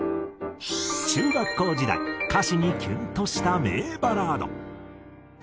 中学校時代歌詞にキュンとした名バラード。